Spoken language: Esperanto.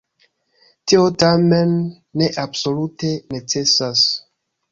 Tio tamen ne absolute necesas.